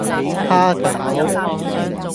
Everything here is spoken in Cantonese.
蝦餃